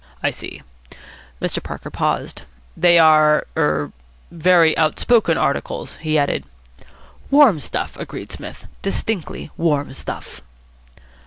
"I see." Mr. Parker paused. "They are er very outspoken articles," he added. "Warm stuff," agreed Psmith. "Distinctly warm stuff."